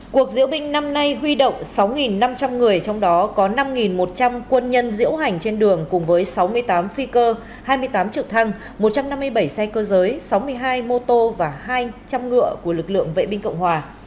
cuộc diễu binh năm nay huy động sáu năm trăm linh người trong đó có năm một trăm linh quân nhân diễu hành trên đường cùng với sáu mươi tám phi cơ hai mươi tám trực thăng một trăm năm mươi bảy xe cơ giới sáu mươi hai mô tô và hai trăm linh ngựa của lực lượng vệ binh cộng hòa